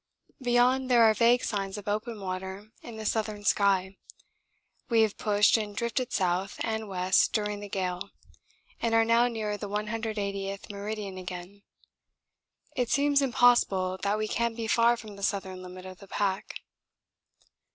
Beyond there are vague signs of open water in the southern sky. We have pushed and drifted south and west during the gale and are now near the 180th meridian again. It seems impossible that we can be far from the southern limit of the pack.